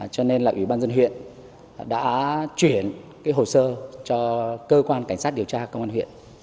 cho nên là ủy ban dân huyện đã chuyển hồ sơ cho cơ quan cảnh sát điều tra công an huyện